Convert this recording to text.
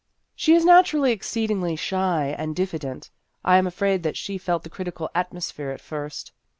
" She is nat urally exceedingly shy and diffident. I am afraid that she felt the critical atmosphere at first."